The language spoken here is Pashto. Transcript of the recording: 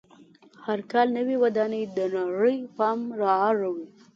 هر کال نوې ودانۍ د نړۍ پام را اړوي.